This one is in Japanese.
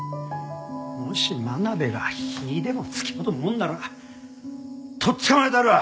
もし真鍋が火ぃでもつけようもんならとっ捕まえたるわ！